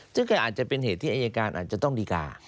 ซึ่งก็อาจจะเป็นเหตุที่อายการอาจจะต้องดีการ์